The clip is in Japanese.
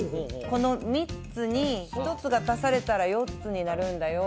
この３つに１つが足されたら４つになるんだよ